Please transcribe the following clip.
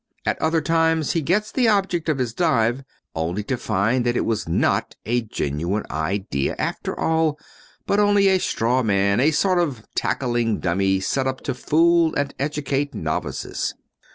At other times he gets the object of his dive only to find that it was not a genuine idea after all, but only a straw man, a sort of tackling dummy set up to fool and educate novices.